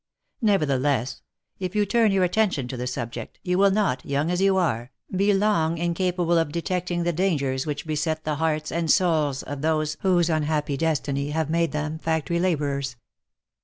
Nevertheless, if you turn your at tention to the subject, you will not, young as you are, be long inca pable of detecting the dangers which beset the hearts and souls of those whose unhappy destiny have made them factory labourers.